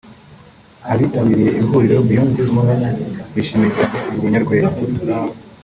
Abitabiriye ihuriro ‘Beyond This Moment’ bishimiye cyane uyu munyarwenya